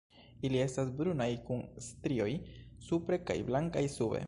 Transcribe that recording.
Ili estas brunaj kun strioj supre kaj blankaj sube.